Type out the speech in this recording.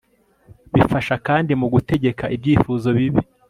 bifasha kandi mu gutegeka ibyifuzo bibi